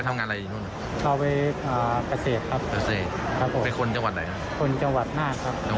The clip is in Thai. ดีจัย